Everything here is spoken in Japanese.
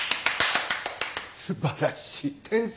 素晴らしい天才！